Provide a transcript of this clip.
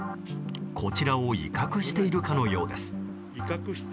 こちらを威嚇しているかのようです。